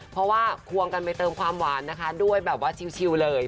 เพราะว่าควงกันไปเติมความหวานนะคะด้วยแบบว่าชิวเลย